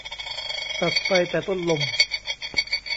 ตัดไฟแต่ต้นลม